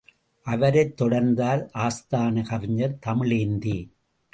அவரைத் தொடர்ந்தார் ஆஸ்தான கவிஞர் தமிழேந்தி!